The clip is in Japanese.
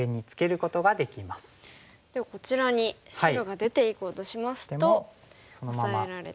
ではこちらに白が出ていこうとしますとオサえられて。